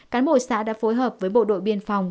cán bộ xã đã phối hợp với bộ đội biên phòng